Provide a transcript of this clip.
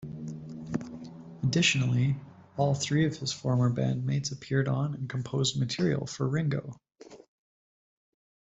Additionally, all three of his former bandmates appeared on and composed material for "Ringo".